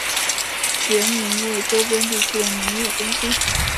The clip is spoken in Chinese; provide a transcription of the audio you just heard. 杰宁为周边地区的农业中心。